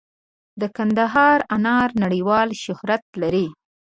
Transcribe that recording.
د کندهار انار نړیوال شهرت لري.